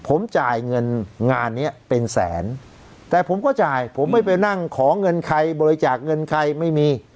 ผมจ่ายเงินงานเนี้ยเป็นแสนแต่ผมก็จ่ายผมไม่ไปนั่งขอเงินใครบริจาคเงินใครไม่มี